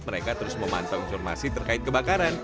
mereka terus memantau informasi terkait kebakaran